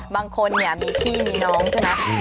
บางคนเนี่ยมีพี่มีน้องใช่ไหม